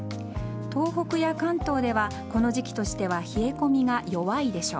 東北や関東ではこの時期としては冷え込みが弱いでしょう。